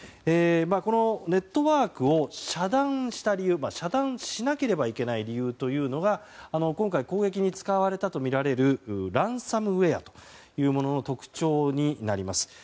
このネットワークを遮断しなければいけない理由というのが今回、攻撃に使われたとみられるランサムウェアというものの特徴になります。